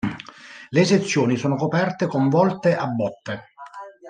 Le sezioni sono coperte con volte a botte.